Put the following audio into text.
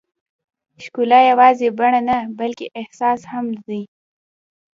ښکلا یوازې بڼه نه، بلکې احساس هم دی.